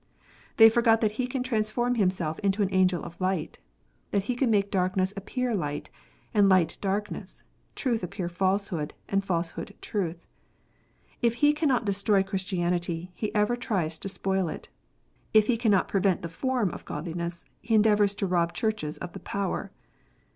They forgot that he can transform himself into an angel of light, that he can make darkness appear light, and light darkness, truth appear falsehood, and falsehood truth. If he cannot destroy Christianity, he ever tries to spoil it. If he cannot prevent the form of godliness, he endeavours to rob Churches of the power.